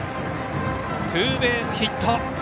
ツーベースヒット。